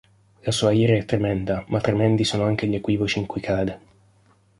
La sua ira è tremenda, ma tremendi sono anche gli equivoci in cui cade.